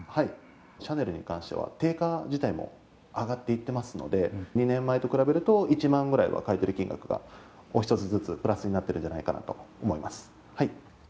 シャネルに関しては定価自体も上がっていってますので、２年前と比べると１万ぐらいは買い取り金額が、お１つずつプラスになってるんじゃないかなと思います。